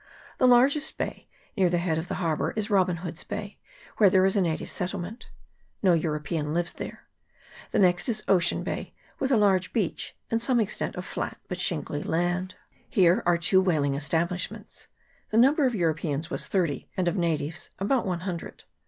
The largest bay, near the head of the harbour, is Robin Hood's Bay, where there is a native settlement. No European lives there. The next is Ocean Bay, with a large beach, and some extent of flat but shingly land. Here are two whaling esta blishments. The number of Europeans was thirty, and of natives about one hundred.